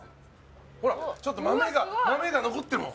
ほらちょっと豆が豆が残ってるもん。